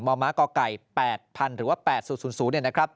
มมก๘๐๐๐หรือว่า๘๐๐๐๐นะครับ